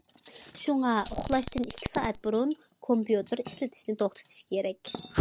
شۇڭا، ئۇخلاشتىن ئىككى سائەت بۇرۇن كومپيۇتېر ئىشلىتىشنى توختىتىش كېرەك.